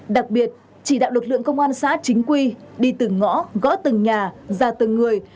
đặc biệt chỉ đạo lực lượng công an xã chính quy đi từng ngõ gõ từng nhà ra từng người